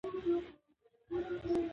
زه پر ځان د خپلو دوستانو باور ساتم.